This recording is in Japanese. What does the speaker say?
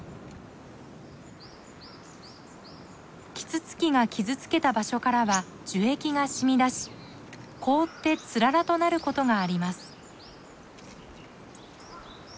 キツツキが傷つけた場所からは樹液がしみだし凍ってつららとなることがあります。